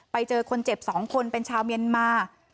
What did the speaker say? ไปเจอคนเจ็บ๒คนเป็นชาวเมียนมา